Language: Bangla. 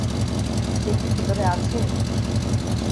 সে কি ভেতরে আছে?